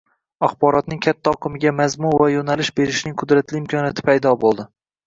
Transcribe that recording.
axborotning katta oqimiga mazmun va yo‘nalish berishning qudratli imkoniyati paydo bo‘ldi.